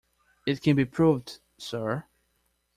It can be proved, sir.